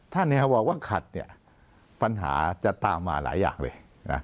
ถ้าบอกว่าขัดปัญหาจะตามมาหลายอย่างเลย